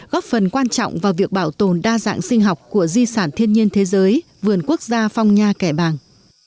góp phần quan trọng vào việc bảo tồn đa dạng sinh học của di sản thiên nhiên thế giới vườn quốc gia phong nha kẻ bàng